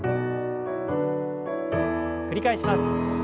繰り返します。